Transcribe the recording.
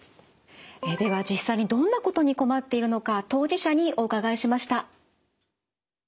では実際にどんなことに困っているのか当事者にお伺いしました。